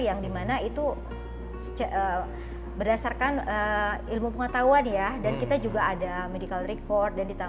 yang dimana itu berdasarkan ilmu pengetahuan ya dan kita juga ada medical record